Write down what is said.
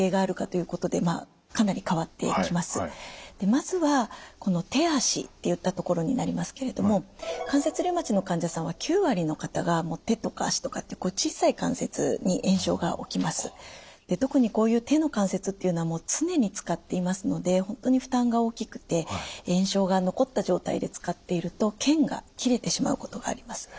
まずはこの手足っていったところになりますけれども特にこういう手の関節っていうのはもう常に使っていますので本当に負担が大きくて炎症が残った状態で使っていると腱が切れてしまうことがあります。